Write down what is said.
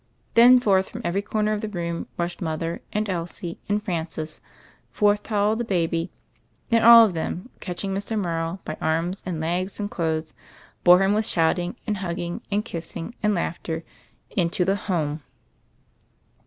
Then forth from every corner of the room rushed mother and Elsie and Francis; forth toddled the baby, and all of them, catching Mr. Morrow by arms and legs and clothes, bore him with shouting and hugging and kissing and laughter into the home.